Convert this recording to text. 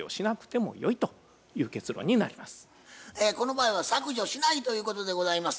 この場合は削除しないということでございます。